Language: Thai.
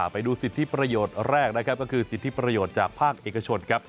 ไปดูสิทธิประโยชน์แรกนะครับก็คือสิทธิประโยชน์จากภาคเอกชนครับ